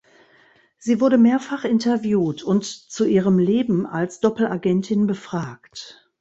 Sie wurde mehrfach interviewt und zu ihrem Leben als Doppelagentin befragt.